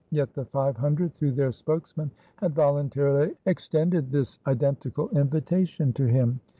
Yet the five hundred, through their spokesman, had voluntarily extended this identical invitation to him.